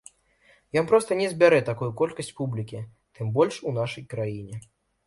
Ён проста не збярэ такую колькасць публікі, тым больш у нашай краіне.